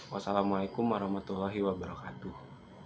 wassalamualaikum warahmatullahi wabarakatuh